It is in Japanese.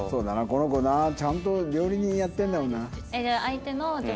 この子なちゃんと料理人やってるんだもんな。